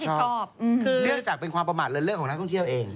ประมาณออกมาชอบเอื้อคือเนื่องจากเป็นความประมาทเรื่อยเรื่องของนักท่องเที่ยวเอง